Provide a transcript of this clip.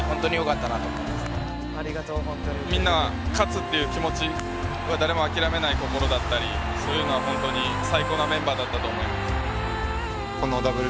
みんな勝つっていう気持ち誰も諦めない心だったりそういうのは本当に最高なメンバーだったと思います。